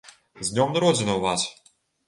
З днём народзінаў, вас!